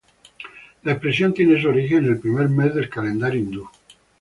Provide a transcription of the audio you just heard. La expresión tiene su origen en el primer mes del calendario hindú.